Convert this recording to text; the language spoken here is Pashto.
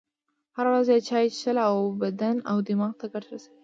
هره ورځ چایی چیښل و بدن او دماغ ته ګټه رسوي.